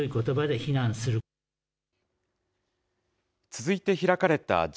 続いて開かれたＧ７・